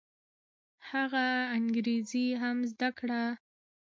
هغه انګریزي هم زده کړه.